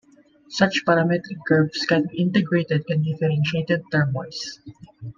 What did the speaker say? Such parametric curves can then be integrated and differentiated termwise.